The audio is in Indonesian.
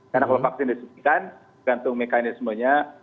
karena kalau vaksin disuntikan bergantung mekanismenya